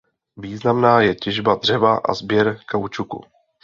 Významná je těžba dřeva a sběr kaučuku.